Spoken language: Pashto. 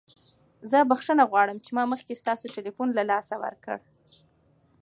زه بخښنه غواړم چې ما مخکې ستاسو تلیفون له لاسه ورکړ.